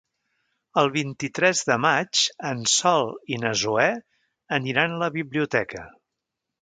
El vint-i-tres de maig en Sol i na Zoè aniran a la biblioteca.